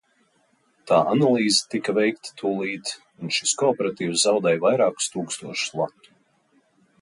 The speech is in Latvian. Tā analīze tika veikta tūlīt, un šis kooperatīvs zaudēja vairākus tūkstošus latu.